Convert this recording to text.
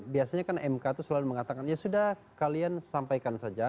biasanya kan mk itu selalu mengatakan ya sudah kalian sampaikan saja